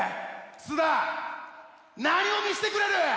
菅田何を見してくれる？